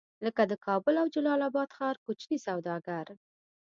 لکه د کابل او جلال اباد ښار کوچني سوداګر.